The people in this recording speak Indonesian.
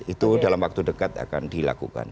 itu dalam waktu dekat akan dilakukan